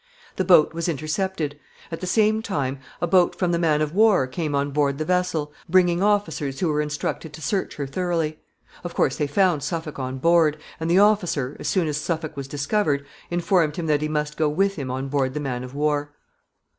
The boat was intercepted. At the same time, a boat from the man of war came on board the vessel, bringing officers who were instructed to search her thoroughly. Of course, they found Suffolk on board, and the officer, as soon as Suffolk was discovered, informed him that he must go with him on board the man of war.